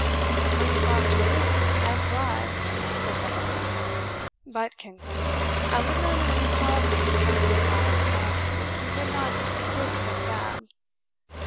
"Tony Foster lives and thrives," said the host. "But, kinsman, I would not have you call him Tony Fire the Fagot, if you would not brook the stab."